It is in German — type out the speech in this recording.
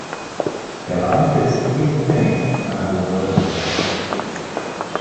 Der Beamte ist jeden Pfennig seiner Besoldung wert.